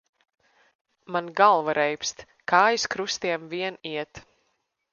Man galva reibst, kājas krustiem vien iet.